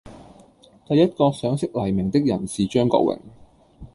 第一個賞識黎明的人是張國榮。